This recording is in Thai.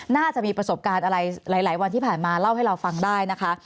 น่าจะมีประสบการณ์อะไรหลายวันที่ผ่านมาเล่าให้เราฟังได้นะคะ